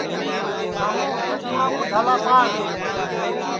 شاموں ندیما کُو جھالا پاڑ